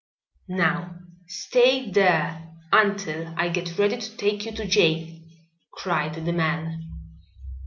"Now stay there until I get ready to take you to jail," cried the man.